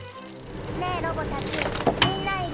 ねぇロボたちみんないる？